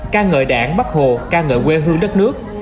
ca ngợi đảng bắc hồ ca ngợi quê hương đất nước